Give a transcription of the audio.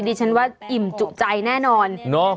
ดิฉันว่าอิ่มจุใจแน่นอน